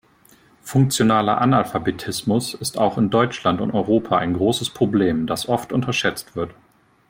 Funktionaler Analphabetismus ist auch in Deutschland und Europa ein großes Problem, das oft unterschätzt wird.